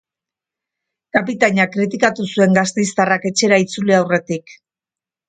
Kapitaina kritikatu zuen gasteiztarrak etxera itzuli aurretik.